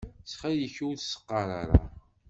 Ttxil-k ur s-qqaṛ ara.